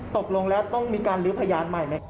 ตกลงแล้วต้องมีการลื้อพยานใหม่ไหม